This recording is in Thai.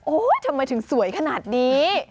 ทำไมถึงสวยขนาดนี้